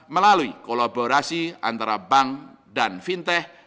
melalui kolaborasi antara bank dan fintech